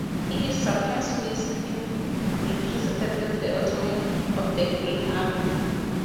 He is sometimes misrepresented as the Otaman of the "Green Army".